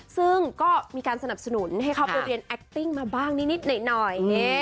ซึ่งก็มีการสนับสนุนให้เขาไปเรียนแอคติ้งมาบ้างนิดหน่อย